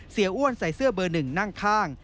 เสียอ้วนใส่เสื้อเบอร์๑นั่งข้าง